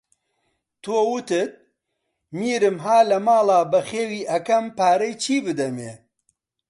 تۆ، وتت: میرم ها لە ماڵما بەخێوی ئەکەم پارەی چی بدەمێ؟